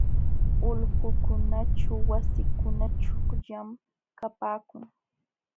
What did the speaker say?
Ulqukunaćhu wasikuna chuqllam kapaakun.